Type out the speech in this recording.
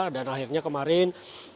dan akhirnya kemarin